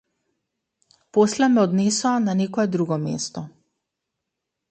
После ме однесоа на некое друго место.